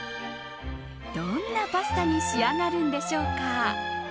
どんなパスタに仕上がるんでしょうか。